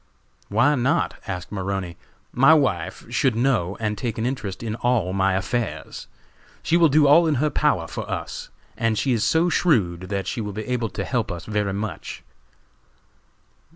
"Why not?" asked Maroney. "My wife should know and take an interest in all my affairs. She will do all in her power for us, and she is so shrewd that she will be able to help us very much."